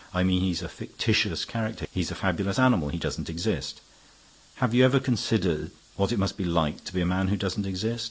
I mean he's a fictitious character. He's a fabulous animal. He doesn't exist. "Have you ever considered what it must be like to be a man who doesn't exist?